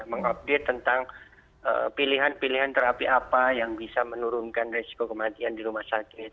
mengupdate tentang pilihan pilihan terapi apa yang bisa menurunkan resiko kematian di rumah sakit